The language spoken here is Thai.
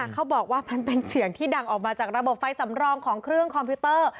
เขาบอกว่ามันเป็นเสียงที่ดังออกมาจากระบบไฟสำรองของเครื่องคอมพิวเตอร์